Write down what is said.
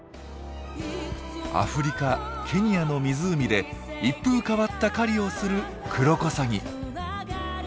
アフリカケニアの湖で一風変わった狩りをするクロコサギ。